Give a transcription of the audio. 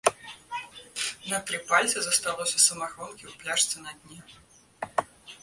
На тры пальцы засталося самагонкі ў пляшцы на дне.